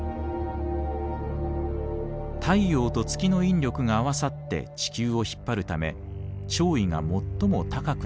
太陽と月の引力が合わさって地球を引っ張るため潮位が最も高くなります。